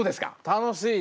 楽しい！